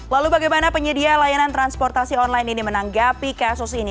lalu bagaimana penyedia layanan transportasi online ini menanggapi kasus ini